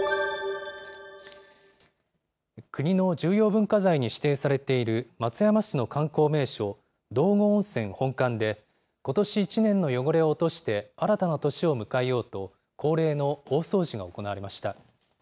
国の重要文化財に指定されている、松山市の観光名所、道後温泉本館で、ことし一年の汚れを落として、新たな年を迎えようと、恒例の大掃除が行われました。